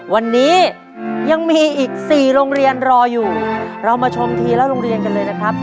วันนี้ยังมีอีก๔โรงเรียนรออยู่เรามาชมทีละโรงเรียนกันเลยนะครับ